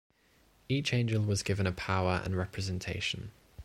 Each angel was given a power and representation.